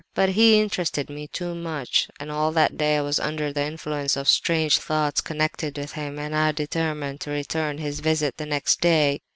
"But he interested me too much, and all that day I was under the influence of strange thoughts connected with him, and I determined to return his visit the next day.